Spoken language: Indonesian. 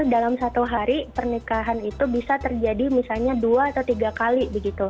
dalam satu hari pernikahan itu bisa terjadi misalnya dua atau tiga kali begitu